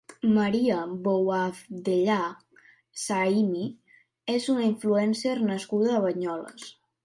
Maria Bouabdellah Shaimi és una influencer nascuda a Banyoles.